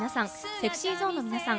ＳｅｘｙＺｏｎｅの皆さん